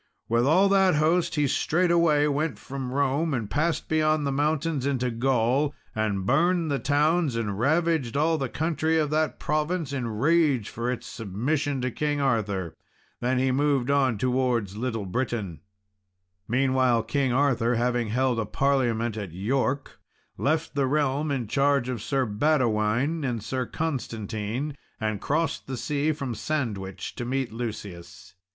With all that host he straightway went from Rome, and passed beyond the mountains into Gaul, and burned the towns and ravaged all the country of that province, in rage for its submission to King Arthur. Then he moved on towards Little Britain. Meanwhile, King Arthur having held a parliament at York, left the realm in charge of Sir Badewine and Sir Constantine, and crossed the sea from Sandwich to meet Lucius.